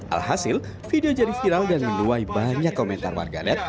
alhasil video jadi viral dan menuai banyak komentar warganet